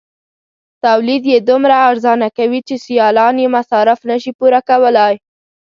تولید یې دومره ارزانه کوي چې سیالان یې مصارف نشي پوره کولای.